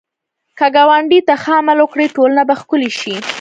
که ګاونډي ته ښه عمل وکړې، ټولنه به ښکلې شي